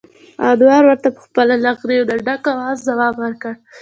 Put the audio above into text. انور ورته په خپل له غريو نه ډک اواز ځواب ور کړ: